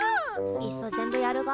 いっそ全部やるが？